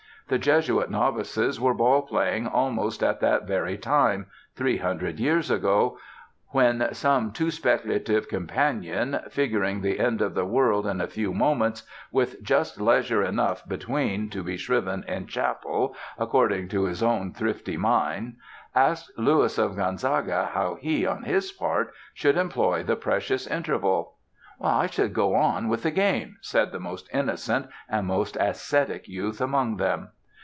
The Jesuit novices were ball playing almost at that very time, three hundred years ago, when some too speculative companion, figuring the end of the world in a few moments (with just leisure enough, between, to be shriven in chapel, according to his own thrifty mind), asked Louis of Gonzaga how he, on his part, should employ the precious interval. "I should go on with the game," said the most innocent and most ascetic youth among them.